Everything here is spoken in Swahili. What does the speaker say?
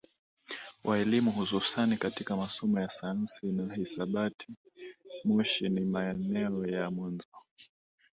wa elimu hususani katika masomo ya sayansi na hisabati Moshi ni maeneo ya mwanzo